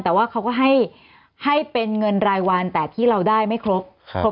แต่ว่าเขาก็ให้เป็นเงินรายวันแต่ที่เราได้ไม่ครบ